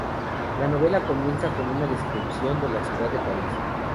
La novela comienza con una descripción de la ciudad de París.